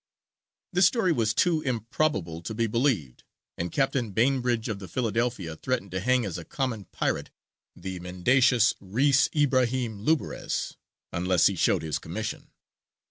This story was too improbable to be believed, and Captain Bainbridge of the Philadelphia threatened to hang as a common pirate the mendacious Reïs Ibrahīm Lubarez unless he showed his commission.